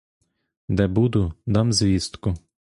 Де буду — дам звістку.